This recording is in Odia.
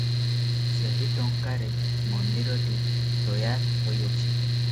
ସେହି ଟଙ୍କାରେ ମନ୍ଦିରଟି ତୟାର ହୋଇଅଛି ।